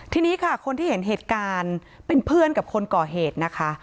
ทีนี้ค่ะคนที่เห็นเหตุการณ์เป็นเพื่อนกับคนก่อเหตุนะคะ